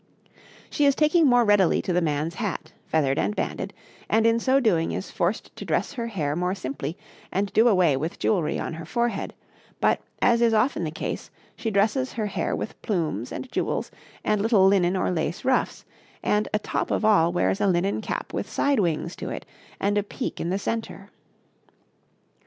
She is taking more readily to the man's hat, feathered and banded, and in so doing is forced to dress her hair more simply and do away with jewellery on her forehead; but, as is often the case, she dresses her hair with plumes and jewels and little linen or lace ruffs, and atop of all wears a linen cap with side wings to it and a peak in the centre.